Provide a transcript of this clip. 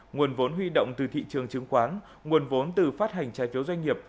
nguồn vốn huy động từ thị trường chứng khoán nguồn vốn từ phát hành trái phiếu doanh nghiệp